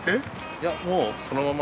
いやもうそのまま。